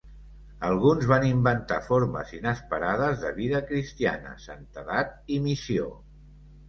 Alguns van inventar formes inesperades de vida cristiana, santedat i missió.